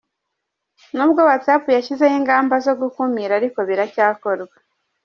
Nubwo Whatsapp yashyizeho ingamba zo gukumira ariko biracyakorwa.